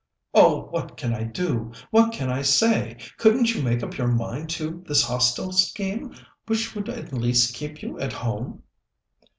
"Oh, what can I do? What can I say? Couldn't you make up your mind to this Hostel scheme, which would at least keep you at home?"